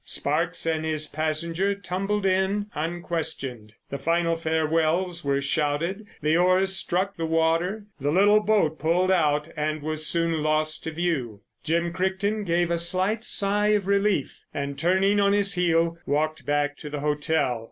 Sparkes and his passenger tumbled in unquestioned. The final farewells were shouted, the oars struck the water. The little boat pulled out and was soon lost to view. Jim Crichton gave a slight sigh of relief, and, turning on his heel, walked back to the hotel.